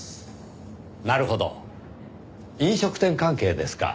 なるほど飲食店関係ですか。